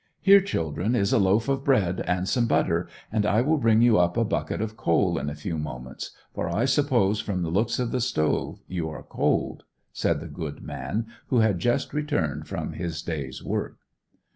"Here children, is a loaf of bread and some butter and I will bring you up a bucket of coal in a few moments, for I suppose from the looks of the stove you are cold," said the good man, who had just returned from his day's work.